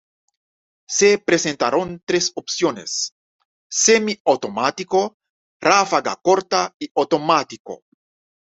Se presentaron tres opciones: semiautomático, ráfaga corta, y automático.